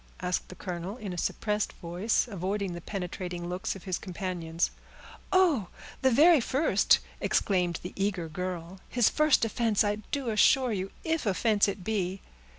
asked the colonel, in a suppressed voice, avoiding the penetrating looks of his companions. "Oh! the very first," exclaimed the eager girl. "His first offense, I do assure you, if offense it be."